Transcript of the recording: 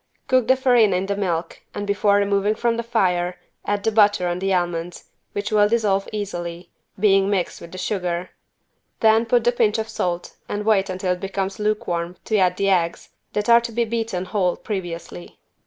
Cook the farina in the milk and before removing from the fire add the butter and the almonds, which will dissolve easily, being mixed with the sugar. Then put the pinch of salt and wait until it becomes lukewarm to add the eggs that are to be beaten whole previously.